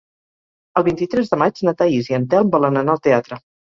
El vint-i-tres de maig na Thaís i en Telm volen anar al teatre.